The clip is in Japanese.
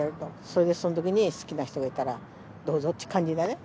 それでそのときに好きな人がいたらどうぞっていう感じでね。